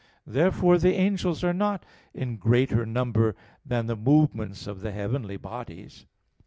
Therefore the angels are not in greater number than the movements of the heavenly bodies.